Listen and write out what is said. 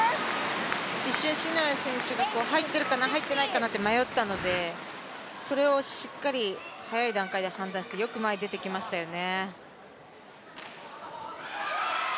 一瞬、篠谷選手が入ってるかな入っていないかなと迷ったのでそれをしっかり早い段階で判断してよく前に出てきましたよね。